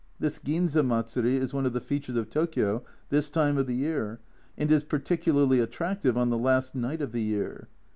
This Ginza Matsuri is one of the features of Tokio this time of the year, and is particularly attractive on the last night of the year.